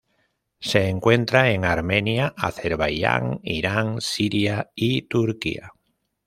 Se encuentra en Armenia, Azerbaiyán, Irán, Siria y Turquía.